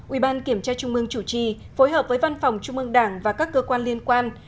ủy ban kiểm tra trung ương chủ trì phối hợp với văn phòng trung mương đảng và các cơ quan liên quan